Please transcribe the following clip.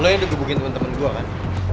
lu yang degugin temen temen gua kan